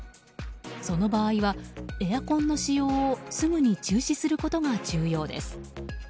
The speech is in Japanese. その場合は、エアコンの使用をすぐに中止することが重要です。